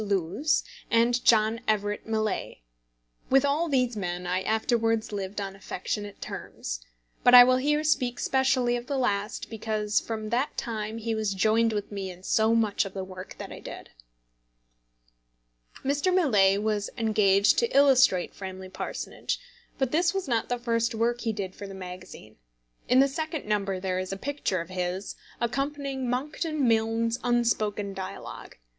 Lewes, and John Everett Millais. With all these men I afterwards lived on affectionate terms; but I will here speak specially of the last, because from that time he was joined with me in so much of the work that I did. Mr. Millais was engaged to illustrate Framley Parsonage, but this was not the first work he did for the magazine. In the second number there is a picture of his accompanying Monckton Milne's Unspoken Dialogue.